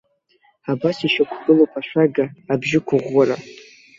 Абас ишьақәгылоуп ашәага, абжьықәыӷәӷәара.